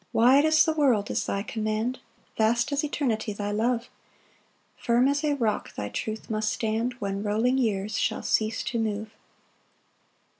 6 Wide as the world is thy command, Vast as eternity thy love; Firm as a rock thy truth must stand When rolling years shall cease to move.